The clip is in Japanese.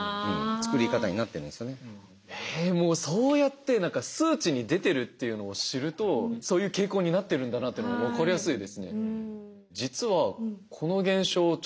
もうそうやって数値に出てるっていうのを知るとそういう傾向になってるんだなっていうのが分かりやすいですね。